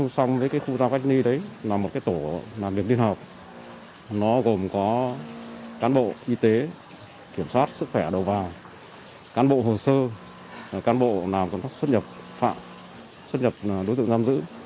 xuất nhập đối tượng giam giữ